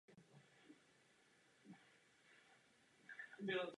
Až druhá polovina stoupání je extrémně náročná.